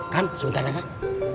kan sebentar kak